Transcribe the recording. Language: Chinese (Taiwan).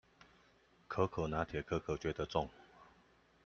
可可拿鐵，可可覺得重